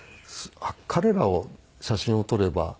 彼らを写真を撮れば。